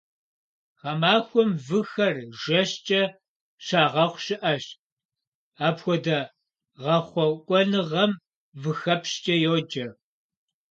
Гъэмахуэм выхэр жэщкӏэ щагъэхъу щыӏэщ, апхуэдэ гъэхъуэкӏуэныгъэм выхэпщкӏэ йоджэ.